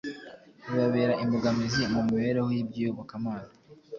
bibabera imbogamizi mu mibereho y’iby’iyobokamana